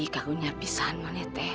kakunya pisah emangnya teh